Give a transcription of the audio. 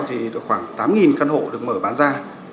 thì khoảng tám căn hộ được mở bán ra